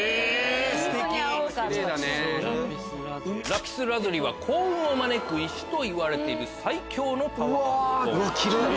ラピスラズリは幸運を招く石といわれている最強のパワーストーン。